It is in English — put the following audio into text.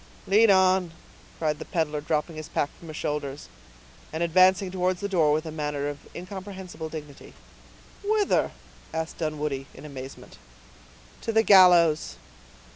"Lead on," cried the peddler, dropping his pack from his shoulders, and advancing towards the door with a manner of incomprehensible dignity. "Whither?" asked Dunwoodie, in amazement. "To the gallows."